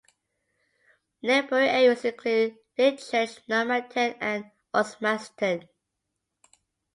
Neighbouring areas include Litchurch, Normanton and Osmaston.